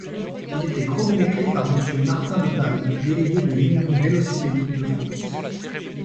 Il était chronométré par monsieur Martin de Paris, délégué de l'Union vélocipédique de France.